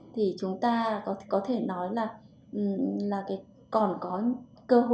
thì chúng ta có thể nói là còn có cơ hội cho thị trường căn hộ dịch vụ